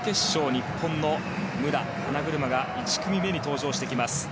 日本の武良花車が１組目に登場してきます。